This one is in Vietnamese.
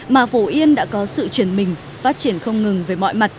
mà phổ yên đã có sự chuyển mình phát triển không ngừng về mọi mặt